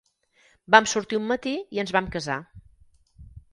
Vam sortir un matí i ens vam casar.